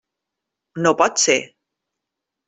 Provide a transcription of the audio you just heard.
No pot ser.